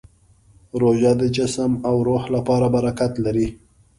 روژه د جسم او روح لپاره برکت لري.